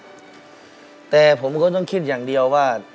แต่ผมก็ต้องคิดอย่างเดียวว่า